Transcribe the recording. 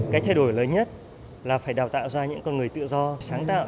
cái thay đổi lớn nhất là phải đào tạo ra những con người tự do sáng tạo